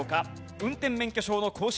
運転免許証の更新